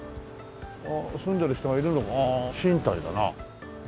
住んでる人がいるのああ賃貸だな。